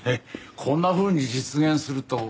こんなふうに実現するとは。